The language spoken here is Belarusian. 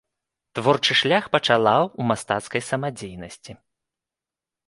Творчы шлях пачала ў мастацкай самадзейнасці.